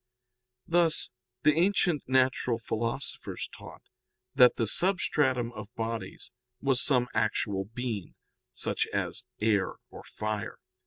Thus the ancient natural philosophers taught that the substratum of bodies was some actual being, such as air or fire.